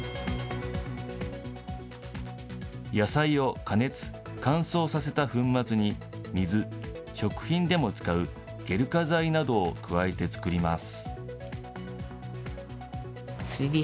野菜を加熱乾燥させた粉末に水、食品でも使うゲル化剤などを加えて作ります。